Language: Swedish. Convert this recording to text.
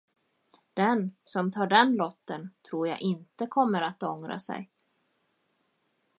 Den, som tar den lotten, tror jag inte kommer att ångra sig.